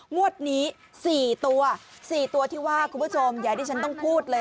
งวดนี้๔ตัว๔ตัวที่ว่าคุณผู้ชมอย่างที่ฉันต้องพูดเลย